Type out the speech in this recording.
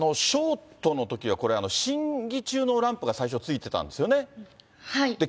ショートのときはこれ、審議中のランプが最初ついてたんですはい。